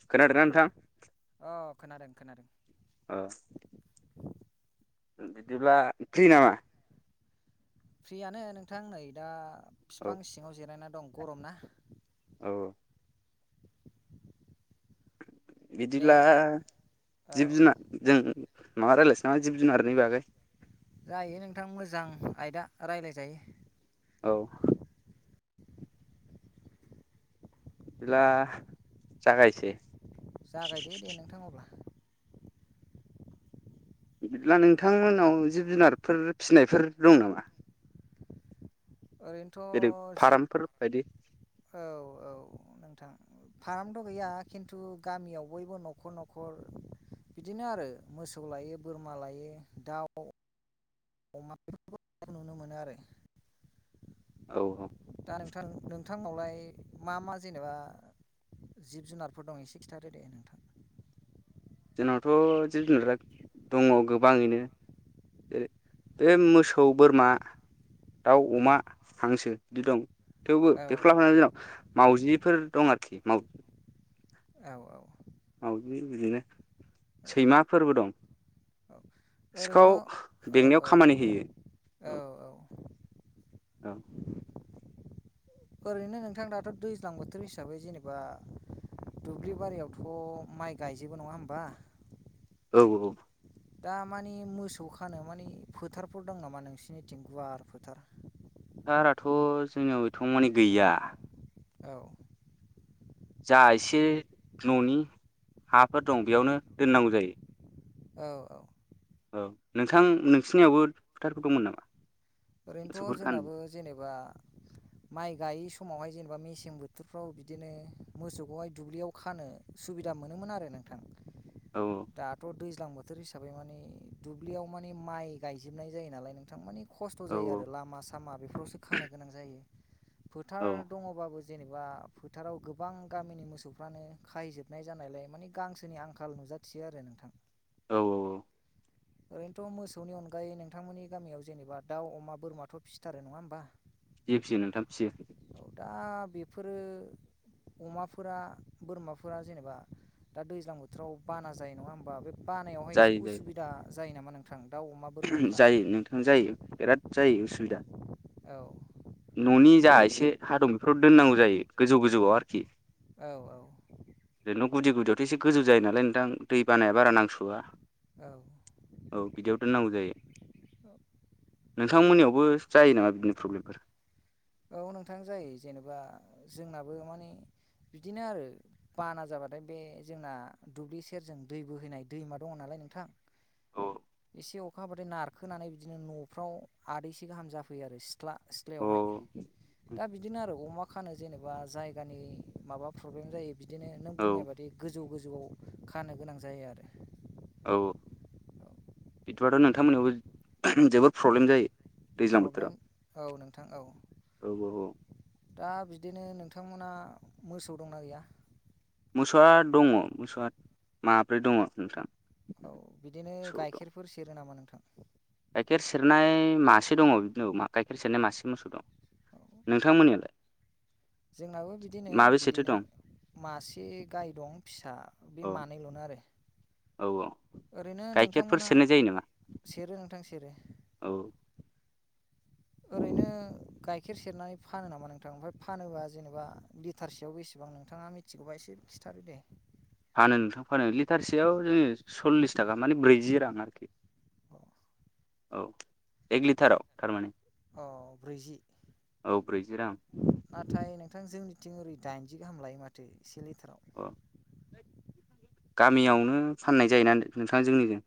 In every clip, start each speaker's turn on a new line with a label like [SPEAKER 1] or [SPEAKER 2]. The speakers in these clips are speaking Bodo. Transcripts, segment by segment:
[SPEAKER 1] [inaudible] खोनादोंना नोंथां?
[SPEAKER 2] अ खोनादों खोनादों।
[SPEAKER 1] [inaudible] ओ औ बिदिब्ला फ्रि नामा?
[SPEAKER 2] फ्रियानो नोंथां नै दा
[SPEAKER 1] औ
[SPEAKER 2] बिफां सिङाव जिरायना दं गरम ना।
[SPEAKER 1] औ।
[SPEAKER 2] दे
[SPEAKER 1] बिदिब्ला
[SPEAKER 2] बुं औ
[SPEAKER 1] जिब-जुनारजों माबा रायलायनोसैना जिब-जुनारनि बागै?
[SPEAKER 2] जायो नोंथां मोजां आयदा रायलायजायो।
[SPEAKER 1] औ। बिदिला
[SPEAKER 2] औ
[SPEAKER 1] जागायसै।
[SPEAKER 2] जागायदो दे नोंथां अब्ला।
[SPEAKER 1] बिदिब्ला नोंथांमोननाव जिब जुनारफोर फिसिनायफोर दं नामा? जेरै
[SPEAKER 2] ओरैनोथ' जि
[SPEAKER 1] फार्मफोर बायदि
[SPEAKER 2] औ औ नोंथां। फारामथ' गैया खिन्थु गामियाव बयबो न'खर न'खर बिदिनो आरो मोसौ लायो, बोरमा लायो, दाउ अमा बेफोरखौ नुनो मोनो आरो।
[SPEAKER 1] औ औ।
[SPEAKER 2] दा नोंथां नोंथांनावलाय मा मा जेनेबा जिब-जुनारफोर दं एसे खिथादो दे नोंथां।
[SPEAKER 1] जोंनावथ' जिब-जुनारा दङ गोबाङैनो। ए बे मोसौ, बोरमा दाउ, अमा, हांसो बिदि दं। थेवबो
[SPEAKER 2] औ
[SPEAKER 1] बेखौ लाफानानै जोंनाव मावजिफोर दं आरोखि माव
[SPEAKER 2] औ औ।
[SPEAKER 1] मावाजि बिदिनो
[SPEAKER 2] औ
[SPEAKER 1] सैमा फोरबो दं।
[SPEAKER 2] औ ओरैन'
[SPEAKER 1] सिखाव
[SPEAKER 2] औ
[SPEAKER 1] बेंनायाव खामानि होयो
[SPEAKER 2] औ औ औ।
[SPEAKER 1] औ
[SPEAKER 2] ओरैनो नोंथां दाथ' दैज्लां बोथोर हिसाबै जेनेबा दुब्लि बारियावथ' माइ गायजोबो नङा होमबा
[SPEAKER 1] औ औ
[SPEAKER 2] दा मानि मोसौ खानो माने फोथारफोर दं नामा नोंसिनिथिं गुवार फोथार
[SPEAKER 1] टाराथ' जोंनियाव एथबांमानि गैया
[SPEAKER 2] औ
[SPEAKER 1] जा एसे न'नि हाफोर दं बेयावनो दोननांगौ जायो
[SPEAKER 2] औ औ
[SPEAKER 1] औ नोंथां नोंसिनियावबो फोथारफोर दंमोन नामा
[SPEAKER 2] ओरैनोथ'
[SPEAKER 1] मोसौफोर खानो
[SPEAKER 2] जोंनाबो जेनेबा
[SPEAKER 1] [inaudible]
[SPEAKER 2] माइ गायै समावहाय जेनेबा मेसें बोथोरफ्राव बिदिनो मोसौखौहाय दुब्लियाव खानो सुबि दा मोनोमोन आरो नोंथां
[SPEAKER 1] औ
[SPEAKER 2] दाथ' दै ज्लां बोथोर हिसाबै माने दुब्लियाव माने माइ गायजोबनाय जायो नालाय नोंथां मानि खस्थ'
[SPEAKER 1] औ
[SPEAKER 2] जायो आरो लामा सामा बेफोरावसो खानो गोनां जायो फोथार
[SPEAKER 1] औ
[SPEAKER 2] दङबाबो जेनेबा फोथाराव गोबां गामिनि मोसौफ्रानो खाहैजोबनाय जानायलाय मानि गांसोनि आंखाल नुजाथियो आरो नोंथां
[SPEAKER 1] औ औ औ
[SPEAKER 2] ओरैनोथ' मोसौनि अनगायै नोंथांमोननि गामियाव जेनेबा दाउ अमा बोरमाथ' फिथारो नङा होमबा
[SPEAKER 1] जि फियो नोंथां फियो।
[SPEAKER 2] औ दा बेफोरो अमाफोरा बोरमाफोरा जेनेबा दा दैज्लां बोथोराव बाना जायो नङा होमबा बे बानायावहाय एसे
[SPEAKER 1] जायो जायो
[SPEAKER 2] उसुबिदा जायो नामा नोंथां दाउ अमा बोरमाफ्रा
[SPEAKER 1] जायो नोंथां जायो बिराद जायो उसुबिदा
[SPEAKER 2] औ
[SPEAKER 1] न'नि जा एसे हादं बेफोराव दोननांगौ जायो गोजौ गोजौआव आरखि
[SPEAKER 2] औ औ।
[SPEAKER 1] गुदि गुदियावथ' एसे गोजौ जायो नालाय नोंथां दै बानाया बारा नांस'आ
[SPEAKER 2] औ
[SPEAKER 1] औ बिदियाव दोननांगौ जायो नोंथांमोननियाव बो जायो नामा बिदिनो प्रब्लेमफोर
[SPEAKER 2] औ नोंथां जायो जेनेबा जोंनाबो मानि बिदिनो आरो बाना जाबाथाय बे जोंना दुब्लि सेरजों दै बोहैनाय दैमा दङ नालाय नोंथां
[SPEAKER 1] औ
[SPEAKER 2] एसे अखा हाबाथाय नारखोनानै बिदिनो न'फ्राव आदैसे गाहाम जाफैयो आरो सि थ्ला
[SPEAKER 1] औ
[SPEAKER 2] सिथ्लायावहाय दा बिदिनो आरो अमा खानो जेनेबा जायगानि माबा प्रब्लेम जायो बिदिनो नों बुंनाय बादि गोजौ गोजौआव खानो गोनां जायो आरो
[SPEAKER 1] औ बिदिबाथ' नोंथांमोनयावबो जोबोद प्रब्लेम जायो दैज्लां बोथोराव
[SPEAKER 2] प्रब्लेम औ नोंथां औ
[SPEAKER 1] औ औ औ
[SPEAKER 2] दा बिदिनो नोंथ थांमोना मोसौ दंना गैया
[SPEAKER 1] मोसौआ दङ मोसौआ माब्रै दङ नोंथां
[SPEAKER 2] औ बिदिनो
[SPEAKER 1] मोसौ दं
[SPEAKER 2] गाइखेरफोर सेरो नामा नोंथां
[SPEAKER 1] गाइखेर सेरनाय मासे दङ बिदिनो गाइखेर सेरनाय मासे मोसौ दं।
[SPEAKER 2] औ
[SPEAKER 1] नोंथांमोननियालाय
[SPEAKER 2] जोंनाबो बिदिनो
[SPEAKER 1] माबेसेथो
[SPEAKER 2] बिदिनो
[SPEAKER 1] दं
[SPEAKER 2] मासे गाय दं फिसा बे
[SPEAKER 1] औ
[SPEAKER 2] मानैल'नो आरो
[SPEAKER 1] औ औ
[SPEAKER 2] ओरैनो
[SPEAKER 1] गाइखेरफोर
[SPEAKER 2] नोंथांमोना
[SPEAKER 1] सेरनाय जायो नामा
[SPEAKER 2] सेरो नोंथां सेरो
[SPEAKER 1] औ
[SPEAKER 2] ओरैनो गाइखेर सेरनानै फानो नामा? नोंथां ओमफ्राय फानोबा जेनेबा लिटारसेयाव बेसे औ नोंथाङा मिथिगौबा एसे खिन्थादो दे
[SPEAKER 1] फानो नोंथां फानो लिटारसेयाव जोङो सल्लिस थाखा मानि ब्रैजि रां आरोखि
[SPEAKER 2] औ
[SPEAKER 1] औ एक लिटाराव थारमाने,
[SPEAKER 2] औ ब्रैजि
[SPEAKER 1] औ ब्रैजि रां
[SPEAKER 2] नाथाय नोंथां जोंनिथिं ओरै दाइनजि गाहाम लायो माथो से सिलिथार,
[SPEAKER 1] औ गामियावनो फाननाय जायोना नोंथाङा जोंनिजों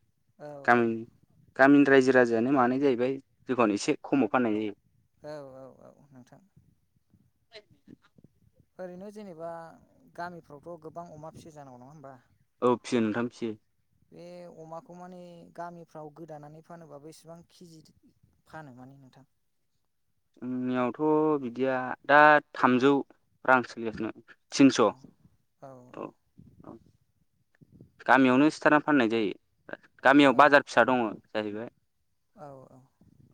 [SPEAKER 2] औ
[SPEAKER 1] गामिनि गामिनि रायजो, राजायानो मानो जाहैबाय जिखन एसे खमाव फाननाय जायो।
[SPEAKER 2] औ औ औ नोंथां
[SPEAKER 1] [unintelligible]
[SPEAKER 2] ओरैनो जेनेबा गामिफ्रावथ' गोबां अमा फिसि जानांगौ नङा होमबा,
[SPEAKER 1] औ फियो नोंथां फिसियो,
[SPEAKER 2] बे अमाखौ माने गामिफ्राव गोदानानै फानोबाबो इसेबां केजि फानो माने नोंथां,
[SPEAKER 1] जोंनियावथ' बिदिया दा थामजौ रां सोलिगासिनो, थिनस' औ
[SPEAKER 2] औ
[SPEAKER 1] औ गामियावनो सिथारना फाननाय जायो। गामियाव
[SPEAKER 2] औ
[SPEAKER 1] बाजार फिसा दङ जाहैबाय
[SPEAKER 2] औ औ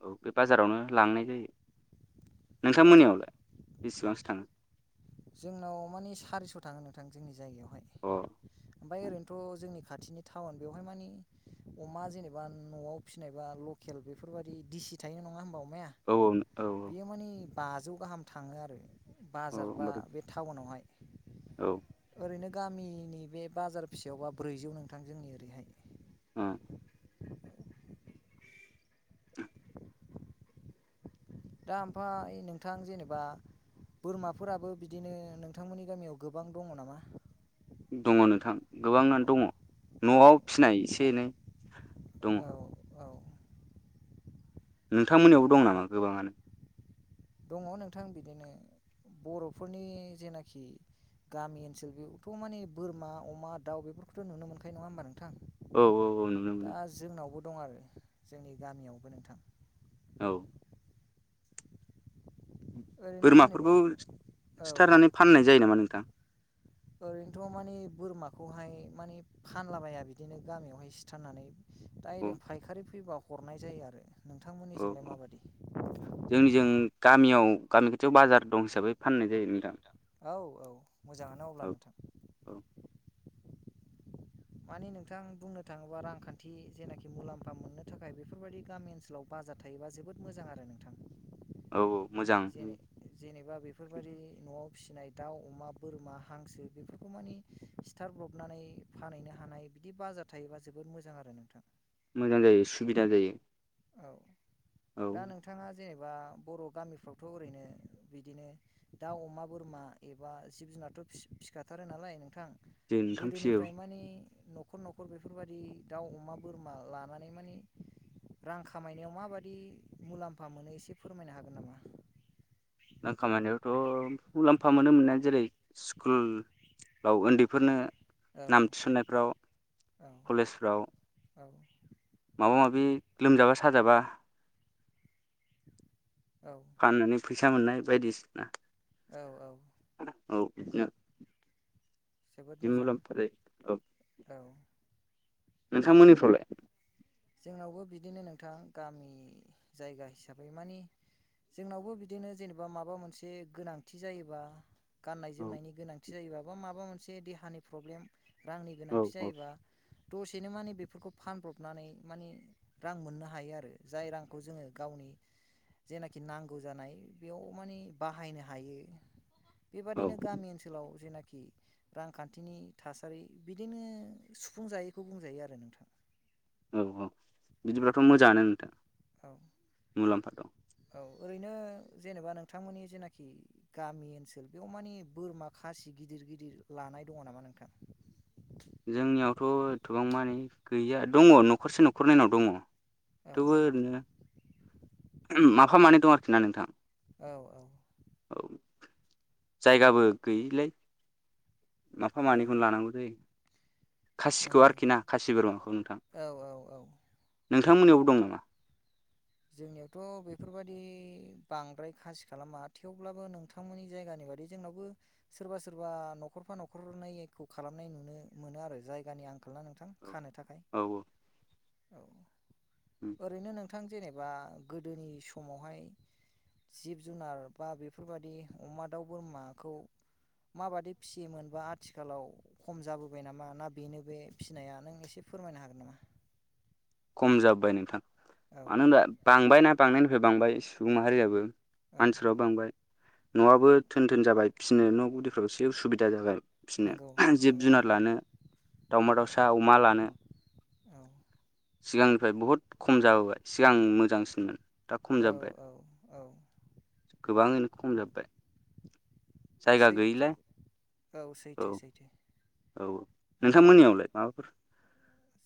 [SPEAKER 1] औ बे बाजारावनो, लांनाय जायो। नोंथां
[SPEAKER 2] दा
[SPEAKER 1] मोननियावलाय बेसेबांसो थाङो
[SPEAKER 2] जोंनाव मानि सारिस' थाङो नोंथां जोंनि जायगायावहाय
[SPEAKER 1] अ
[SPEAKER 2] ओमफ्राय ओरैनोथ' जोंनि, खाथिनि टाउन बेवहाय माने, अमा जेनेबा न'आव फिसिनायबा लकेल बेफोरबायदि दिसि थायो नङा होमबा अमाया
[SPEAKER 1] औ औ
[SPEAKER 2] बेयो माने बाजौ गाहाम थाङो आरो
[SPEAKER 1] औ
[SPEAKER 2] बार बा
[SPEAKER 1] होमबाथ'
[SPEAKER 2] बे टाउनावहाय
[SPEAKER 1] औ
[SPEAKER 2] ओरैनो गामिनि बे बाजार फिसायावबा ब्रैजौ नोंथां जोंनि ओरैहाय दा ओमफ्राइ नोंथां जेनेबा बोरमाफोराबो बिदिनो नोंथांमोननि गामियाव गोबां दङ नामा?
[SPEAKER 1] दङ नोंथां गोबाङानो
[SPEAKER 2] औ
[SPEAKER 1] दङ
[SPEAKER 2] औ
[SPEAKER 1] न'आव फिनाय एसे एनै दङ
[SPEAKER 2] औ औ
[SPEAKER 1] नोंथांमोनयावबो दं नामा? गोबाङानो।
[SPEAKER 2] दङ नोंथां बिदिनो बर'फोरनि जेनाखि, गामि ओनसोल बेथ' माने बोरमा अमा दाउ बेफोरखौथ' नुनो मोनखायो नङा होमबा नोंथां,
[SPEAKER 1] औ औ औ नुनो
[SPEAKER 2] दा
[SPEAKER 1] मोनो
[SPEAKER 2] जोंनावबो दं आरो जोंनि गामियावबो नोंथां,
[SPEAKER 1] औ
[SPEAKER 2] ओरैनो जेनेबा
[SPEAKER 1] बोरमाफोरखौ
[SPEAKER 2] औ
[SPEAKER 1] सिथारनानै फाननाय जायो नामा? नोंथां।
[SPEAKER 2] ओरैनोथ' मानि बोरमा खौहाय माने फानलाबाया बिदिनो गामियावहाय सिथारनानै
[SPEAKER 1] औ
[SPEAKER 2] दाइरेक्ट फायखारि फैबा, हरनाय जायो आरो
[SPEAKER 1] औ
[SPEAKER 2] नोंथांमोननिजोंलाय
[SPEAKER 1] औ
[SPEAKER 2] माबादि,
[SPEAKER 1] जोंनिजों गामियाव गामि खाथियाव बाजार दं हिसाबै फाननाय जायो नोंथां,
[SPEAKER 2] औ औ मोजाङानो अब्ला
[SPEAKER 1] औ
[SPEAKER 2] नोंथां,
[SPEAKER 1] औ
[SPEAKER 2] मानि नोंथां बुंनो थाङोबा रांखान्थि जेनाखि मुलाम्फा मोननो थाखाय बेफोरबायदि गामि ओनसोलाव बा बाजार थायोबा जोबोद मोजां आरो नोंथां
[SPEAKER 1] औ औ मोजां
[SPEAKER 2] दा बेफोरबादिनि न'आव फिसिनाय दाउ अमा बोरमा हांसो बेफोरखौ मानि सिथारब्र बना फानै फानैनो हानाय बिदि बाजार थायोबा जोबोद मोजां आरो नोंथां
[SPEAKER 1] मोजां जायो सुबिदा जायो।
[SPEAKER 2] औ
[SPEAKER 1] औ
[SPEAKER 2] दा नोंथांङा जेनेबा बर' गामिफ्रावथ' ओरैनो बिदिनो दाउ, अमा, बोरमा एबा जिब-जु जोंहाथ' फि फिखाथारो नालाय नोंथां
[SPEAKER 1] जे नोंथां फिसियो
[SPEAKER 2] गोदोनिफ्राय मानि न'खर न'खर बेफोरबादि दाउ अमा बोरमा लानानै माने रां खामायनायाव माबादि मुलाम्फा मोनो एसे फोरमायनो हागोन नामा?
[SPEAKER 1] रां खामाइनायावथ' मुलाम्फा मोनो मोन्नायआ जेरै स्कुल लाव उन्दैफोरनो
[SPEAKER 2] औ
[SPEAKER 1] नाम थिसननायफ्राव
[SPEAKER 2] औ
[SPEAKER 1] कलेजफ्राव
[SPEAKER 2] औ
[SPEAKER 1] माबा-माबि लोमजाबा साजाबा
[SPEAKER 2] औ
[SPEAKER 1] फाननानै फैसा मोननाय बायदिसिना
[SPEAKER 2] औ औ
[SPEAKER 1] औ बेदिनो
[SPEAKER 2] जोबोद
[SPEAKER 1] बिदि
[SPEAKER 2] मोजां
[SPEAKER 1] मुलाम्फा जायो औ
[SPEAKER 2] औ
[SPEAKER 1] नोंथांमोननिफ्रावलाइ
[SPEAKER 2] जोंनावबो बिदिनो नोंथां गामि जायगा हिसाबै मानि जोंनावबो बिदिनो जेन'बा माबा मोनसे गोनांथि जायोबा गाननाय
[SPEAKER 1] औ
[SPEAKER 2] जोमनायनि गोनांथि जायोबा बा माबा मोनसे देहानि प्रब्लेम रांनि
[SPEAKER 1] औ
[SPEAKER 2] गोनांथि
[SPEAKER 1] औ
[SPEAKER 2] जायोबा दसेनो माने बेफोरखौ फानब्रबनानै मानि रां मोननो हायो आरो जाय रांखौ जोंङो गावनि जेनाखि नांगौ जानाय बेयाव माने बाहायनो हायो
[SPEAKER 1] औ
[SPEAKER 2] बेबादिनो गामि ओनसोलाव जेनाखि रांखान्थिनि थासारि बिदिनो सुफुंजायैखौ बुंजायो आरो नोंथां
[SPEAKER 1] औ औ बिदिब्लाथ' मोजांङानो नोंथां
[SPEAKER 2] औ
[SPEAKER 1] मुलाम्फा दं
[SPEAKER 2] औ ओरैनो जेनेबा नोंथांमोननि जेनाखि गामि ओनसोल बेयाव मानि बोरमा खासि गिदिर गिदिर लानाय दङ नामा नोंथां?
[SPEAKER 1] जोंनियावथ' एथ'बां मानि गैया दंङ न'खरसे न'खरनैनाव दंङ
[SPEAKER 2] औ
[SPEAKER 1] थेवबो ओरैनो ओम माफा-मानै दं आरोखि ना नोंथां
[SPEAKER 2] औ औ
[SPEAKER 1] औ जायगाबो गोयैलाय माफा
[SPEAKER 2] औ
[SPEAKER 1] मानैखौनो लानांगौ जायो खासिखौ
[SPEAKER 2] नंगौ
[SPEAKER 1] आरोखि
[SPEAKER 2] नोंथां
[SPEAKER 1] ना खासि बोरमाखौ नोंथां
[SPEAKER 2] औ औ औ
[SPEAKER 1] नों थांमोननियावबो दं नामा?
[SPEAKER 2] जोंनियावथ' बेफोरबादि बांद्राय खासि खालामा थेवब्लाबो नोंथांमोननि जायगानि जोंनावबो सोरबा सोरबा न'खरफा न'खरनैखौ खालामनाय नुनो मोनो आरो जायगानि आं ना नोंथां खानो थाखाय
[SPEAKER 1] औ
[SPEAKER 2] औ ओरैनो नोंथां जेने बा गोदोनि समावहाय जिब जुनार बा बेफोरबादि अमा, दाउ, बोरमाखौ माबादि फियोमोन बा आथिखालाव खम जाबोबाय नामा ना बेनो बे फिनाया नों एसे फोरमायनो हागोन नामा?
[SPEAKER 1] [unintelligible] खम जाबोबाय नोंथां
[SPEAKER 2] औ
[SPEAKER 1] मानो होनबा बांबायना बांनायनिफ्राय बांबाय सुबुं माहारियाबो
[SPEAKER 2] औ
[SPEAKER 1] मानसिफ्राबो बांबाय न'आबो
[SPEAKER 2] औ
[SPEAKER 1] थोन थोन जाबाय फिसिनो न' गुदिफ्राव एसे उसुबिदा जाबाय
[SPEAKER 2] नंगौ
[SPEAKER 1] फिनो
[SPEAKER 2] नंगौ
[SPEAKER 1] जिब-जुनार
[SPEAKER 2] नंगौ
[SPEAKER 1] लानो
[SPEAKER 2] औ
[SPEAKER 1] दावमा-दाउसा अमा लानो
[SPEAKER 2] औ
[SPEAKER 1] सिगांनिफ्राय बहुद खम जाबोबाय सिगां मोजांसिनमोन दा खम
[SPEAKER 2] औ
[SPEAKER 1] जाबोबाय
[SPEAKER 2] औ औ
[SPEAKER 1] गोबाङानो खम जाबोबाय जायगा
[SPEAKER 2] सैथो
[SPEAKER 1] गैयलाय
[SPEAKER 2] औ सैथो सैथो
[SPEAKER 1] औ-औ
[SPEAKER 2] नोंथां
[SPEAKER 1] नोंथांमोननियावलाय माबाफोर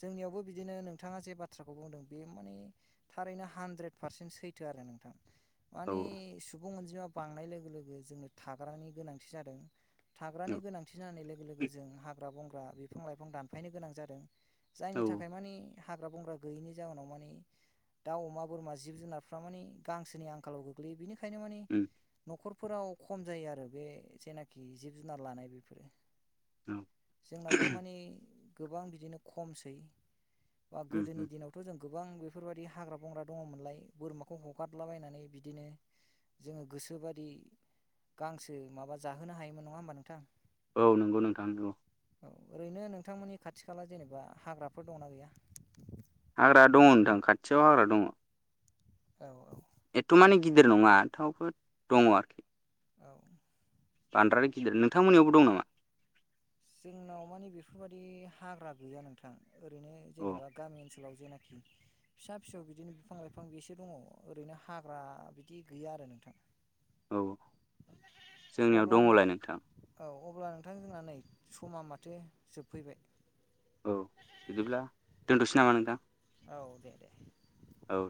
[SPEAKER 2] जोंनियावबो बिदिनो नोंथाङा जे बाथ्राखौ बुंदों बे माने थारैनो हानद्रेद पारसेन्ट सैथोआ आरो नोंथां।
[SPEAKER 1] औ
[SPEAKER 2] माने सुबुं अनजिमा बांनाय लोगो लोगो जोंनो थाग्रानि गोनांथि जादों।
[SPEAKER 1] औ
[SPEAKER 2] थाग्रानि गोनांथि जानाय लोगो लोगो जों हाग्रा बंग्रा बिफां लाइफां दानफायनो गोनां जादों।
[SPEAKER 1] औ
[SPEAKER 2] जायनि थाखाय माने हाग्रा बंग्रा गैयैनि जाउनाव माने दाव अमा बोरमा जिब जुनारफ्रा माने गांसोनि आंखालाव गोग्लैयो बिनिखायनो माने
[SPEAKER 1] उम
[SPEAKER 2] न'खर फोराव खम जायो आरो बे जेनाखि जिब जुनार लानाय बेफोरो।
[SPEAKER 1] औ
[SPEAKER 2] जोंनावबो माने गोबां बिदिनो खमसै। बा
[SPEAKER 1] उम
[SPEAKER 2] गोदोनि
[SPEAKER 1] उम
[SPEAKER 2] दिनावथ' जों गोबां बेफोरबादि हाग्रा बंग्रा दङमोनलाय बोरमाखौ हगारलाबायनानै बिदिनो जोङो गोसोबादि गांसो माबा जाहोनो हायोमोन नङा होमबा नोंथां?
[SPEAKER 1] औ नंगौ नोंथां नंगौ।
[SPEAKER 2] औ ओरैनो नोंथांमोननि खाथि खाला जेनेबा हाग्राफोर दङ'ना गैया?
[SPEAKER 1] हाग्रा दङ' नोंथां खाथियाव हाग्रा दङ'।
[SPEAKER 2] औ औ।
[SPEAKER 1] एथ'माने
[SPEAKER 2] जोबोद
[SPEAKER 1] गिदिर नङा थेवबो दङ' आरखि।
[SPEAKER 2] औ।
[SPEAKER 1] बांद्राय गिदिर नोंथांमोननियावबो दं नामा?
[SPEAKER 2] जोंनाव माने बेफोरबादि हाग्रा गैया नोंथां ओरैनो
[SPEAKER 1] अ
[SPEAKER 2] जेनेबा गामि ओनसोल फोराव जेनाखि फिसा फिसौ बिदिनो बिफां लाइफां बेसो दङ' ओरैनो हाग्रा बिदि गैया आरो नोंथां।
[SPEAKER 1] औ जोंनियाव
[SPEAKER 2] अब्लानो
[SPEAKER 1] दङ'लाय नोंथां।
[SPEAKER 2] औ अब्ला नोंथांजोंना नै समा माथो जोबफैबाय।
[SPEAKER 1] औ बिदिब्ला दोनथ'सै नामा नोंथां?
[SPEAKER 2] औ दे दे।
[SPEAKER 1] औ